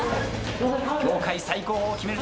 業界最高峰を決める